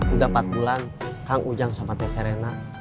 udah empat bulan kang ujang sama teh serena